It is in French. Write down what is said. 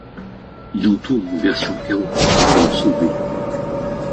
Il en tourne une version érotique pour le sauver.